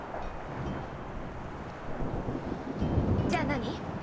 じゃあ何？